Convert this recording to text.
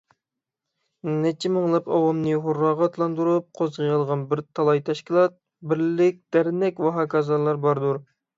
نەچچە مىڭلاپ ئاۋامنى ھۇرراغا ئاتلاندۇرۇپ قوزغىيالىغان بىر تالاي تەشكىلات، بىرلىك، دەرنەك ۋەھاكازالار باردۇر.